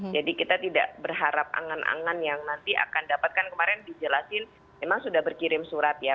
jadi kita tidak berharap angan angan yang nanti akan dapatkan kemarin dijelasin memang sudah berkirim surat ya